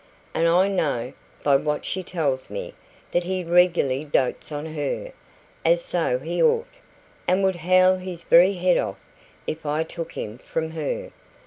And I know, by what she tells me, that he regularly dotes on her as so he ought and would howl his very head off if I took him from her.